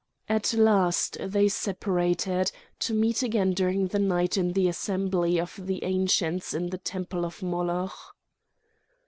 At last they separated, to meet again during the night at the assembly of the Ancients in the temple of Moloch.